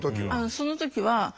その時は。